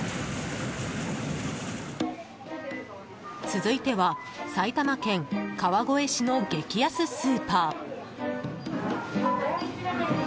続いては埼玉県川越市の激安スーパー。